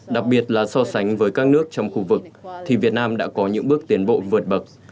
đặc biệt là so sánh với các nước trong khu vực thì việt nam đã có những bước tiến bộ vượt bậc